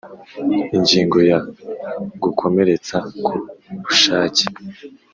Ingingo ya Gukomeretsa ku bushake